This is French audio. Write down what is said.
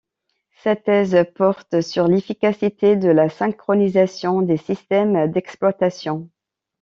Sa thèse porte sur l'efficacité de la synchronisation des systèmes d'exploitation.